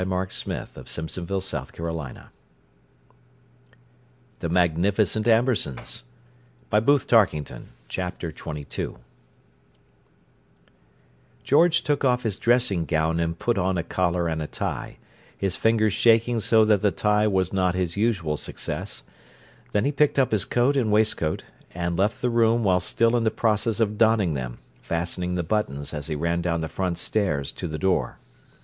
he said, and she was obliged to pass out into the hall, the door closing quickly behind her. Chapter XXII George took off his dressing gown and put on a collar and a tie, his fingers shaking so that the tie was not his usual success; then he picked up his coat and waistcoat, and left the room while still in process of donning them, fastening the buttons, as he ran down the front stairs to the door.